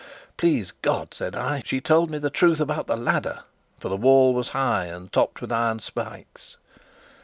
"Please God," said I, "she told me the truth about the ladder!" for the wall was high and topped with iron spikes.